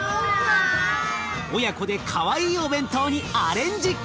親子でかわいいお弁当にアレンジ！